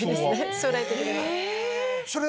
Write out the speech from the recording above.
将来的には。